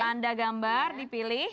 tanda gambar dipilih